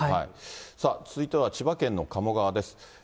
さあ、続いては千葉県の鴨川です。